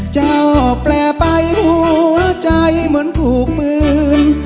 เจ้าเปลี่ยไปหัวใจมนต์ถูกปืน